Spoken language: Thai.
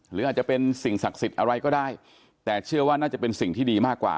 หรืออาจจะเป็นสิ่งศักดิ์สิทธิ์อะไรก็ได้แต่เชื่อว่าน่าจะเป็นสิ่งที่ดีมากกว่า